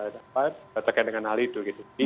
dapat terkait dengan hal itu